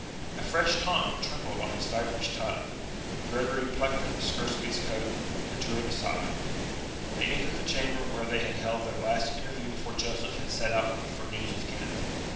A fresh taunt trembled on his viperish tongue, when Gregory plucked at the skirts of his coat, and drew him aside. They entered the chamber where they had held their last interview before Joseph had set out for news of Kenneth.